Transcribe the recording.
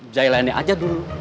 jailani aja dulu